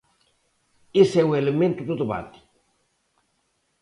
Ese é o elemento do debate.